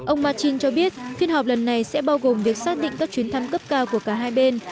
ông matin cho biết phiên họp lần này sẽ bao gồm việc xác định các chuyến thăm cấp cao của cả hai bên